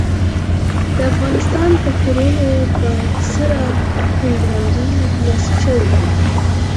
د افغانستان د کورونو پر سر هندارې نصب شوې دي.